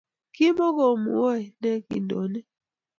Kimokumowoi nee kindonik